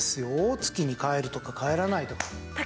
月に帰るとか帰らないとか。